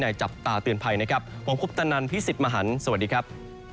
จับตาเตือนภัยนะครับผมคุปตนันพี่สิทธิ์มหันฯสวัสดีครับ